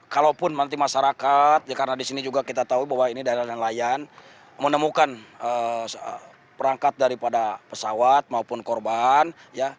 kalaupun nanti masyarakat ya karena di sini juga kita tahu bahwa ini daerah nelayan menemukan perangkat daripada pesawat maupun korban ya